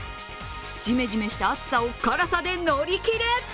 ジメジメした暑さを辛さで乗り切れ！